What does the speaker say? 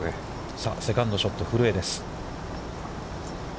さあ、セカンドショット古江です。